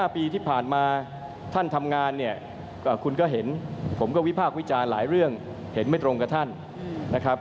ปีที่ผ่านมาท่านทำงานเนี่ยคุณก็เห็นผมก็วิพากษ์วิจารณ์หลายเรื่องเห็นไม่ตรงกับท่านนะครับ